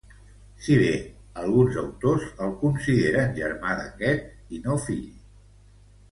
Si bé alguns autors el consideren germà d'aquest, i no fill.